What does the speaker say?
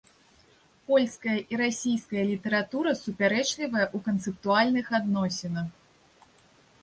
Польская і расійская літаратура, супярэчлівая ў канцэптуальных адносінах.